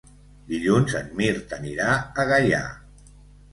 Dilluns en Mirt anirà a Gaià.